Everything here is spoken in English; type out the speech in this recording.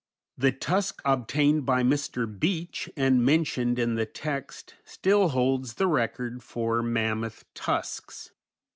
_ _The tusk obtained by Mr. Beach and mentioned in the text still holds the record for mammoth tusks.